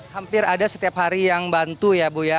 hampir ada setiap hari yang bantu ya bu ya